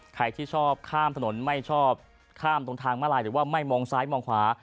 ใครที่ชอบข้ามถนนไม่ชอบข้ามตรงทางมาลายหรือว่าไม่มองซ้ายมองขวา